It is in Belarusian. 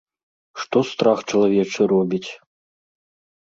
Што страх чалавечы робіць!